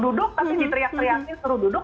duduk tapi diteriak teriakin suruh duduk